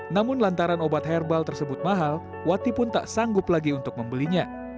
namun lantaran obat herbal tersebut mahal wati pun tak sanggup lagi untuk membelinya